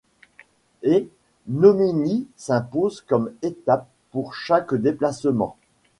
Et Nomeny s'impose comme étape pour chaque déplacement.